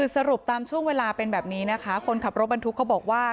สรุปตามช่วงเวลาเป็นแบบนี้นะคะคนขับรถบรรทุกเขาบอกว่า